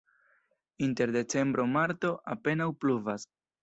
Inter decembro-marto apenaŭ pluvas.